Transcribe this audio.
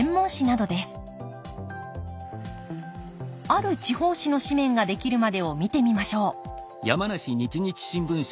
ある地方紙の紙面が出来るまでを見てみましょう